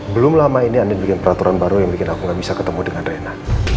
belum lama ini anda bikin peraturan baru yang bikin aku gak bisa ketemu dengan reina